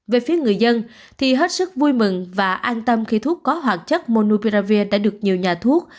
về phía người dân thì hết sức vui mừng và an tâm khi thuốc có hoạt chất monuperavir đã được nhiều nhà thuốc